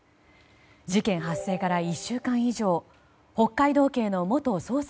事件発生から１週間以上北海道警の元捜査